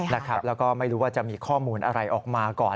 แล้วก็ไม่รู้ว่าจะมีข้อมูลอะไรออกมาก่อน